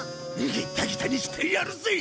ギッタギタにしてやるぜ！